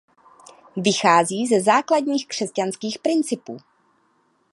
Vychází ze základních křesťanských principů.